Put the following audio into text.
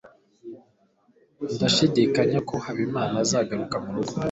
Ndashidikanya ko Habimana azagaruka murugo.